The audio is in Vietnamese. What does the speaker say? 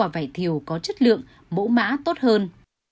vải thiều có chất lượng mẫu mã tốt hơn